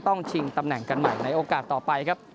ชิงตำแหน่งกันใหม่ในโอกาสต่อไปครับ